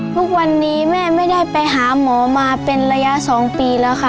ทุกวันนี้แม่ไม่ได้ไปหาหมอมาเป็นระยะ๒ปีแล้วค่ะ